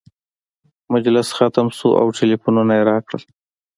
مجلس ختم شو او ټلفونونه یې راکړل.